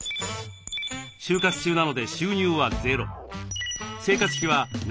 就活中なので収入はゼロ。